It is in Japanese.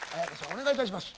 お願いいたします。